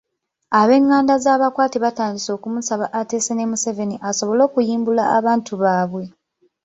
Ab'enganda z'abakwate batandise okumusaba ateese ne Museveni asobole okuyimbula abantu baabwe.